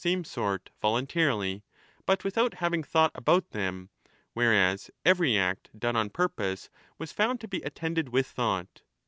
17 1189^ same sort voluntarily but without having thought about 35 them, whereas every act done on purpose was found to be attended with thought.